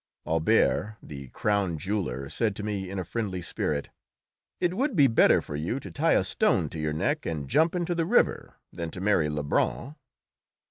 Auber, the crown jeweller, said to me in a friendly spirit: "It would be better for you to tie a stone to your neck and jump into the river than to marry Lebrun."